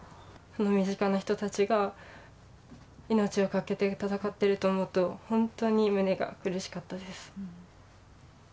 身近な人たちが命を懸けて戦っていると思うと、本当に胸が苦しかったです。